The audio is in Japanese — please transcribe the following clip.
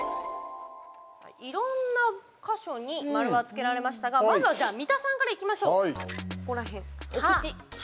いろんな箇所に丸がつけられましたがまずは三田さんからいきましょう。